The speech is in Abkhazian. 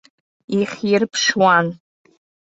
Ихьирԥшуан.